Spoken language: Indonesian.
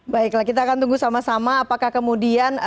baiklah kita akan tunggu sama sama apakah kemudian